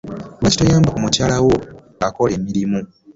Lwaki toyamba ku mukyala wo ng'akola emirimu?